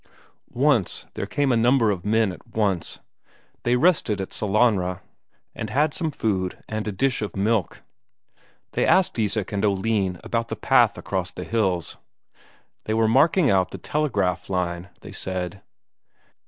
Once there came a number of men at once; they rested at Sellanraa, and had some food and a dish of milk; they asked Isak and Oline about the path across the hills; they were marking out the telegraph line, they said.